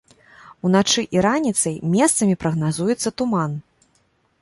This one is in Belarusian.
Уначы і раніцай месцамі прагназуецца туман.